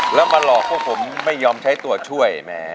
แล้วมาหลอกพวกผมไม่ยอมใช้ตัวช่วยแหม